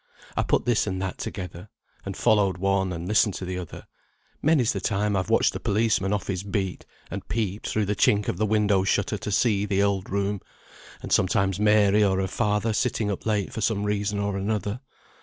I put this and that together, and followed one, and listened to the other; many's the time I've watched the policeman off his beat, and peeped through the chink of the window shutter to see the old room, and sometimes Mary or her father sitting up late for some reason or another.